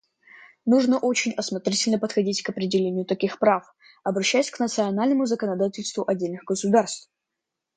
Нужно очень осмотрительно подходить к определению таких прав, обращаясь к национальному законодательству отдельных государств.